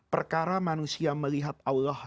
perkara manusia melihat allah